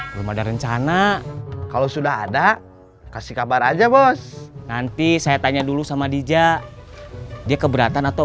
karena rencana kalau sudah ada kasih kabar aja bos nanti saya tanya dulu sama dija dia keberatan atau